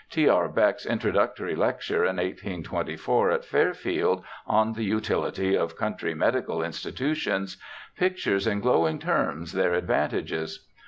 T. R. Beck's introductory lecture, in 1824, at Fairfield, On the Utility of Country Medical Institutions, pictures in glowing terms their advantages.